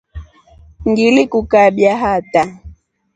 Ngilikukabia hataa.